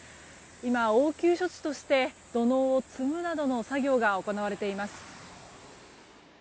今、応急処置として土のうを積むなどの作業が行われています。